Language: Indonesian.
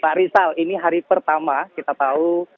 pak rizal ini hari pertama kita tahu